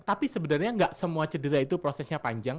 tapi sebenarnya nggak semua cedera itu prosesnya panjang